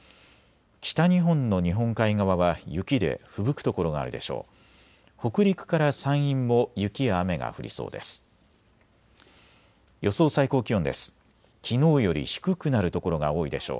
北日本の日本海側は雪でふぶく所があるでしょう。